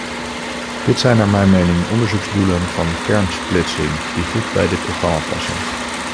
Dit zijn naar mijn mening onderzoeksdoelen van kernsplitsing die goed bij dit programma passen.